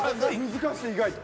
難しい意外と。